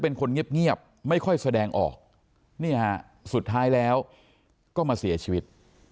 เป็นคนเงียบไม่ค่อยแสดงออกเนี่ยฮะสุดท้ายแล้วก็มาเสียชีวิต